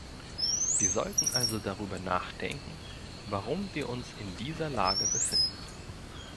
Wir sollten also darüber nachdenken, warum wir uns in dieser Lage befinden.